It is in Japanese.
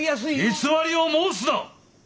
偽りを申すな！